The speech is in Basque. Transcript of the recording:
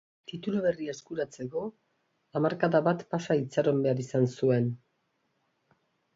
Titulu berria eskuratzeko hamarkada bat pasa itxaron behar izan zuen.